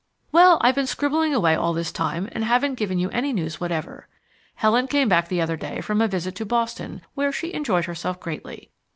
Well, I've been scribbling away all this time and haven't given you any news whatever. Helen came back the other day from a visit to Boston where she enjoyed herself greatly.